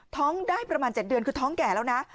ท้องได้ประมาณ๗เดือนคือท้องแก่แล้วนะ